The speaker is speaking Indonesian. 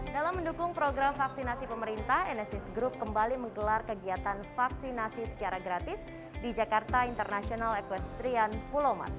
dalam mendukung program vaksinasi pemerintah nsis group kembali menggelar kegiatan vaksinasi secara gratis di jakarta international equestrian pulau mas